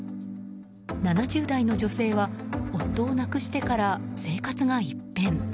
７０代の女性は夫を亡くしてから生活が一変。